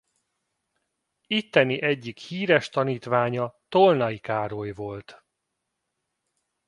Itteni egyik híres tanítványa Tolnay Károly volt.